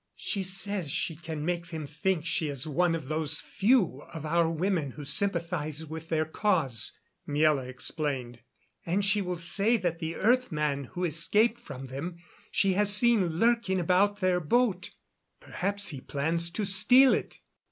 "She says she can make them think she is one of those few of our women who sympathize with their cause," Miela explained. "And she will say that the earth man who escaped from them she has seen lurking about their boat; perhaps he plans to steal it.